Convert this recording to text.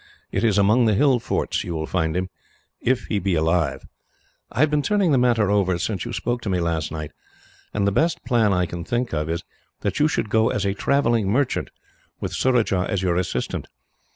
It is among the hill forts you will find him, if he be alive. I have been turning the matter over, since you spoke to me last night, and the best plan I can think of is, that you should go as a travelling merchant, with Surajah as your assistant.